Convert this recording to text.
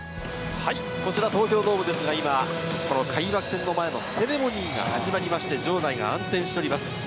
こちら、東京ドームですが、今、この開幕戦の前のセレモニーが始まりまして、場内が暗転しております。